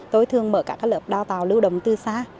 tôi thường mở các cái lớp đào tàu lưu đồng từ xa